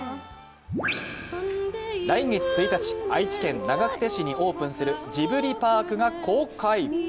来月１日、愛知県長久手市にオープンするジブリパークが公開。